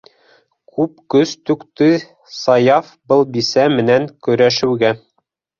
Күп көс түкте Саяф был бисә менән көрәшеүгә.